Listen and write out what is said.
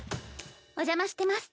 お邪魔してます。